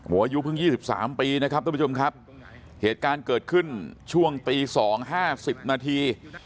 อายุเพิ่ง๒๓ปีนะครับทุกผู้ชมครับเหตุการณ์เกิดขึ้นช่วงตี๒๕๐นาที